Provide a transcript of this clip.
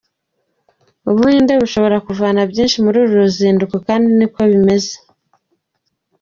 U Buhinde bushobora kuvana byinshi muri uru ruzinduko kandi niko bimeze.